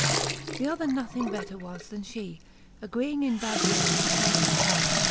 The other nothing better was, then fhee ; Agreeing in bad will and cancred kynd.